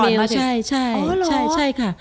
มาจากทางอีเมลใช่ใช่ค่ะ